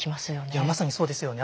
いやまさにそうですよね。